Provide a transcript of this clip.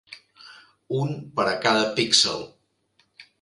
Un per a cada píxel.